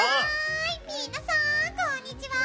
皆さん、こんにちは！